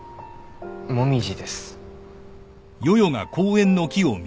紅葉です。